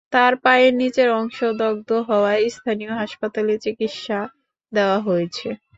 তার পায়ের নিচের অংশ দগ্ধ হওয়ায় স্থানীয় হাসপাতালে চিকিৎসা দেওয়া হয়েছে।